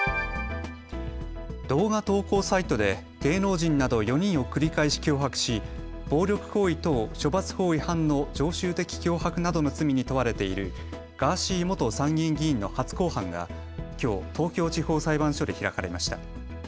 動画投稿サイトで芸能人など４人を繰り返し脅迫し暴力行為等処罰法違反の常習的脅迫などの罪に問われているガーシー元参議院議員の初公判がきょう東京地方裁判所で開かれました。